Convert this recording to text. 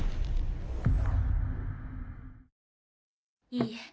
いいえ